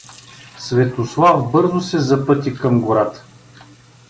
Светослав бързо се запъти към гората.